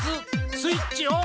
スイッチオン！